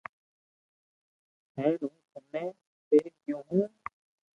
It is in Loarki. ھين ھون ٿني پيري ڪيو ھون